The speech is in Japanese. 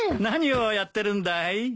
何をやってるんだい？